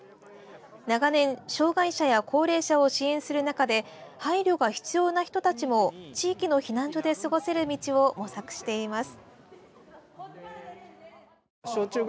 長年、障害者や高齢者を支援する中で配慮が必要な人たちも地域の避難所で過ごせる道を模索しています。